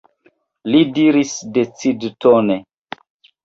li diris decidtone.